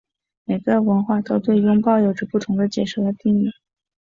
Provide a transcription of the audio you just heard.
每个文化都对拥抱有着不同的解释和定义。